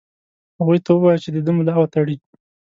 هغوی ته ووايی چې د ده ملا وتړي.